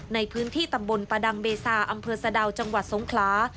ในพื้นที่ตำบลประดังเบซาอำเภอสะดาวจังหวัดสงคลา